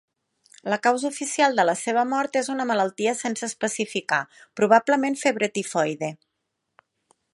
La causa oficial de la seva mort és una malaltia sense especificar, probablement febre tifoide.